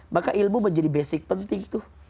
maka ilmu menjadi basic penting tuh